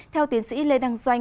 theo tiến sĩ lê đăng doanh